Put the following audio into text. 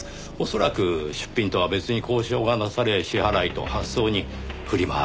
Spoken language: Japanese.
恐らく出品とは別に交渉がなされ支払いと発送にフリマ